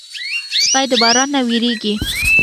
سپي د باران نه وېرېږي.